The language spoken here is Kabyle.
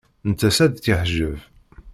Nettat ad tt-yeḥjeb.